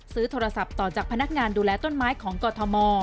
ซื้อโทรศัพท์ต่อจากพนักงานดูแลต้นไม้ของกรทม